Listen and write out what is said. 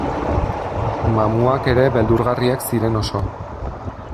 Mamuak ere beldurgarriak ziren oso.